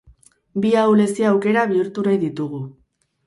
Bi ahulezia aukera bihurtu nahi ditugu.